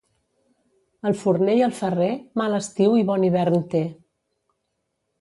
El forner i el ferrer, mal estiu i bon hivern té.